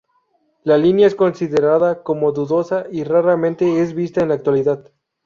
La línea es considerada como dudosa y raramente es vista en la actualidad.